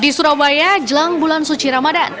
di surabaya jelang bulan suci ramadan